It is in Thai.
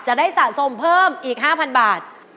สะสมเพิ่มอีก๕๐๐บาท